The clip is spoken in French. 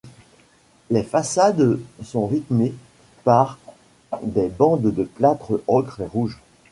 Les façades sont rythmées par des bandes de plâtre ocre et rouges.